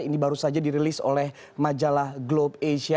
ini baru saja dirilis oleh majalah globe asia